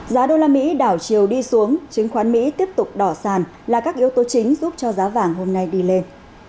giá usd đảo chiều đi xuống chứng khoán mỹ tiếp tục đỏ sàn là các yếu tố chính giúp cho giá vàng hôm nay đi lên